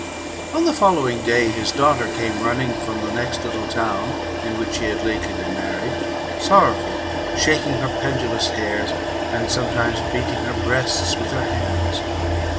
On the following day, his daughter came running from the next little town, in which she had lately been married, sorrowful, shaking her pendulous hairs, and sometimes beating her breasts with her hands.